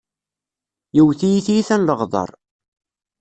Yewwet-iyi tiyita n leɣder.